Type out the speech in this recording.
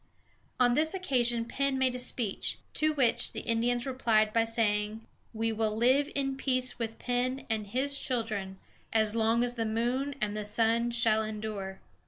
On this occasion Penn made a speech, to which the Indians replied by saying: "We will live in peace with Penn and his children as long as the moon and the sun shall endure."